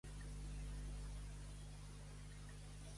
Aviat serà hora de fer crema de Sant Josep